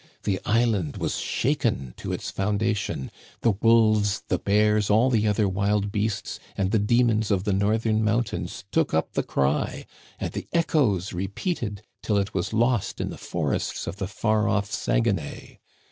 The island was shaken to its foundation, the wolves, the bears, all the other wild beasts, and the demons of the northern mountains Digitized by VjOOQIC LA CORRIVEAlf. 53 took up the cry, and the echoes repeated it till it was lost in the forests of the far off Saguenay.